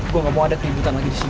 gue gak mau ada keributan lagi disini